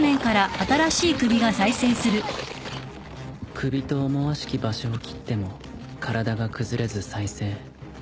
首と思わしき場所を斬っても体が崩れず再生